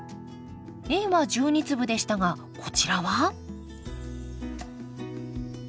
Ａは１２粒でしたがこちらは？